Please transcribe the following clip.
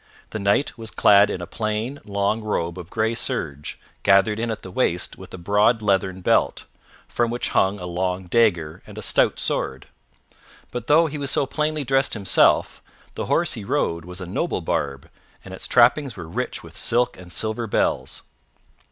The Knight was clad in a plain, long robe of gray serge, gathered in at the waist with a broad leathern belt, from which hung a long dagger and a stout sword. But though he was so plainly dressed himself, the horse he rode was a noble barb, and its trappings were rich with silk and silver bells.